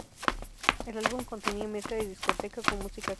El álbum contenía mezcla de discoteca con música clásica.